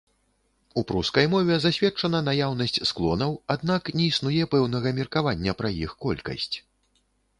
У прускай мове засведчана наяўнасць склонаў, аднак не існуе пэўнага меркавання пра іх колькасць.